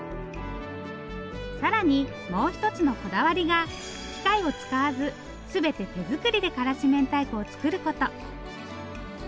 更にもう一つのこだわりが機械を使わずすべて手作りで辛子明太子を作ること。